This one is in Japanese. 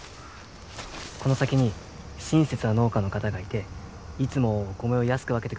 この先に親切な農家の方がいていつもお米を安く分けて下さいます。